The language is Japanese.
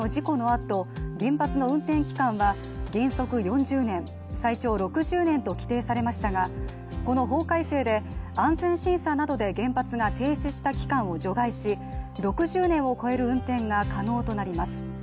原則４０年、最長６０年と規定されましたがこの法改正で、安全審査などで原発が停止した期間を除外し、６０年を超える運転が可能となります。